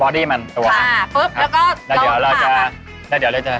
โอ้โหเดินน้ำตาลเพิ่มขึ้นไปแล้วก็หมุนไปเรื่อยเรื่อย